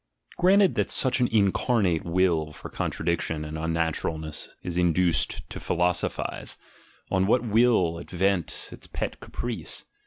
Granted that such an incarnate will for contradiction and unnaturalness is induced to philosophise; on what ASCETIC IDEALS 123 will it vent its pet caprice?